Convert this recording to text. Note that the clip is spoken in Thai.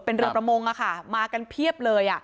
เป็นเรือประมงมากันเพียบเลย